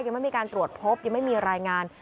ยังไม่มีการตรวจพบยังไม่มีรายงาน